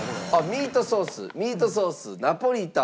ミートソースミートソースナポリタン。